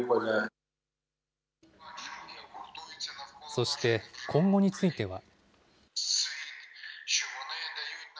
そして今後については。